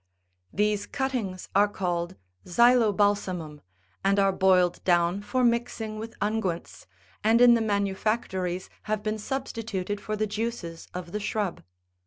These cuttings are called xylobalsamum,78 and are boiled down for mixing with unguents, and in the manufac tories have been substituted for the juices of the shrub.